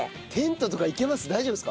テントとかいけます？